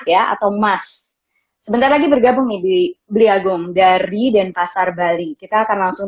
ya atau mas sebentar lagi bergabung nih di beliagung dari denpasar bali kita akan langsung